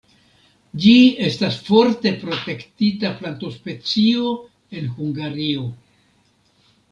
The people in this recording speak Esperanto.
Ĝi estas forte protektita plantospecio en Hungario.